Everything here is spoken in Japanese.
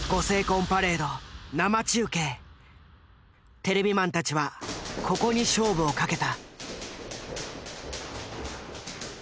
テレビマンたちはここに勝負を懸けた。